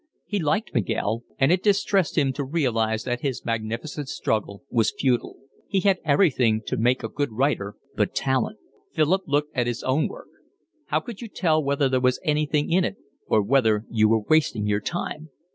He liked Miguel, and it distressed him to realise that his magnificent struggle was futile: he had everything to make a good writer but talent. Philip looked at his own work. How could you tell whether there was anything in it or whether you were wasting your time?